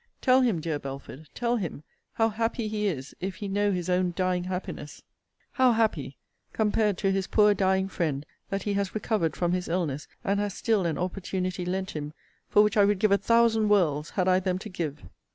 Tell him, dear Belford, tell him, how happy he is if he know his own dying happiness; how happy, compared to his poor dying friend, that he has recovered from his illness, and has still an opportunity lent him, for which I would give a thousand worlds, had I them to give!'